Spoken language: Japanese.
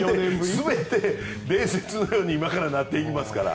全て伝説のように今からなっていきますから。